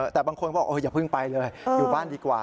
แต่บางคนก็บอกอย่าเพิ่งไปเลยอยู่บ้านดีกว่า